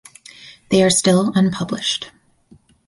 They are still unpublished.